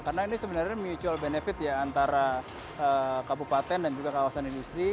karena ini sebenarnya mutual benefit ya antara kabupaten dan juga kawasan industri